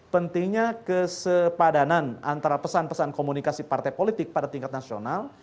pentingnya kesepadanan antara pesan pesan komunikasi partai politik pada tingkat nasional